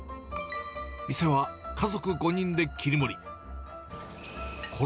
店は家族５人で切り盛り。